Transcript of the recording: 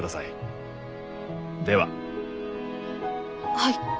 はい。